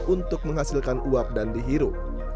untuk menghasilkan uap dan dihirup